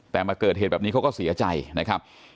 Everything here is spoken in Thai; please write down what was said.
แต่มาเกิดเหตุแบบนี้เขาก็เสียใจนะครับ